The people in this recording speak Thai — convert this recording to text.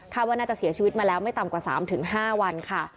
ว่าน่าจะเสียชีวิตมาแล้วไม่ต่ำกว่า๓๕วันค่ะ